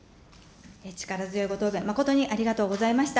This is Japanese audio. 力強いご答弁、誠にありがとうございました。